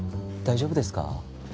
大丈夫ですか？